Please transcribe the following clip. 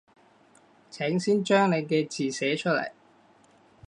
請先將你嘅字寫出來